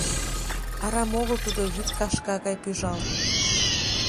Арам огыл тудо вӱд кашка гай пӱжалтын.